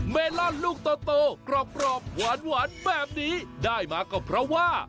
เมลอนลูกโตกรอบหวานแบบนี้ได้มาก็เพราะว่า